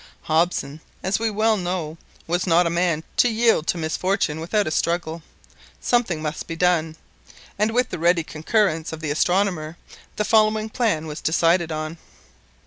Hobson, as we well know, was not a man to yield to misfortune without a struggle. Something must be done, and with the ready concurrence of the astronomer the following plan was decided on.